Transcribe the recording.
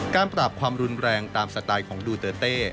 การปรับความรุนแรงตามสไตล์ของดูเตอร์เต้